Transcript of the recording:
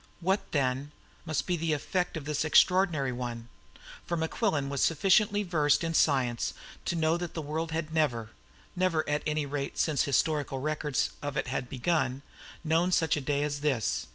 What, then, must be the effect of this extraordinary one? For Mequillen was sufficiently versed in science to know that the world had never never, at any rate, since historical records of it began known such a day as this.